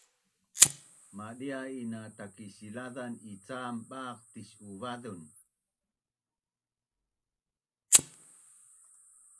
madia’in na Takisilazan ican baq tis’uvazun